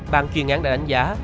bàn chuyên án đã đánh giá